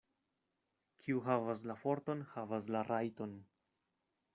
Kiu havas la forton, havas la rajton.